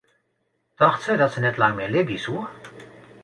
Tocht se dat se net lang mear libje soe?